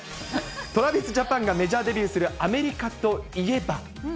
トラビスジャパンがメジャーデビューするアメリカといえば。